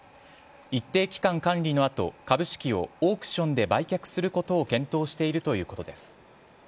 一定期間管理の後株式をオークションで売却することを検討しているということです。